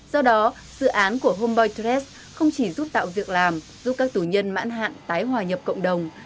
do đó dự án của home text không chỉ giúp tạo việc làm giúp các tù nhân mãn hạn tái hòa nhập cộng đồng